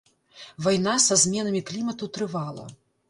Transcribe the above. Вайна са зменамі клімату трывала.